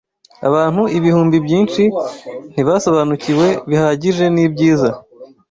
Abantu ibihumbi byinshi ntibasobanukiwe bihagije n’ibyiza